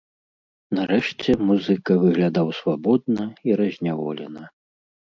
Нарэшце музыка выглядаў свабодна і разняволена.